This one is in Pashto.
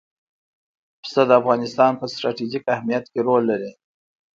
پسه د افغانستان په ستراتیژیک اهمیت کې رول لري.